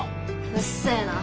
うっせえな。